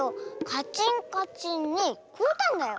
カチンカチンにこおったんだよ。